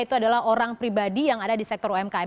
itu adalah orang pribadi yang ada di sektor umkm